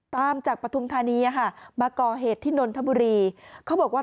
ตามจากปฐุมธานีมาก่อเหตุที่นนทบุรีเขาบอกว่า